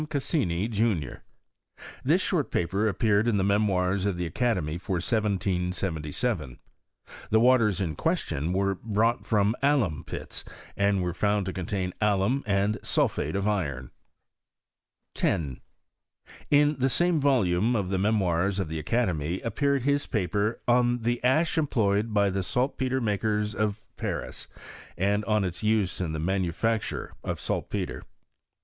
Cassini, junior. This short paper appeared ia the Memoirs of the Academy, for 1777. Hie waters in question were brought from alum pits^ PROGRESS OF CHEMISTRY IN FRANCE. 89 and were found to contain alum and sulphate of iron. 10. In the same volume of the Memoh's of the Academy, appeared his paper " On the Ash em ployed by the Saltpetre makers of Paris, and on its use in the Manufacture of Saltpetre."